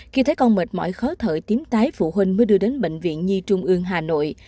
khi thấy con mệt mỏi khó thởi tiếm tái phụ huynh mới đưa đến bệnh viện nhi trung ương hà nội